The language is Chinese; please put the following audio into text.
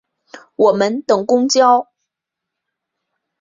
我们等公车